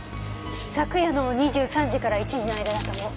昨夜の２３時から１時の間だと思う。